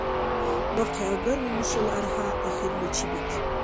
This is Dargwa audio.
БахъхӀиагарли нушала архӀя ахирличи бикиб.